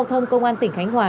giao thông công an tỉnh khánh hòa